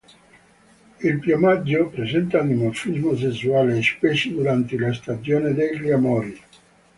Il piumaggio presenta dimorfismo sessuale, specie durante la stagione degli amori.